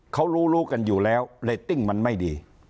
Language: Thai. เขารู้รู้กันอยู่แล้วเรตติ้งมันไม่ดี